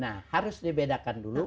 nah harus dibedakan dulu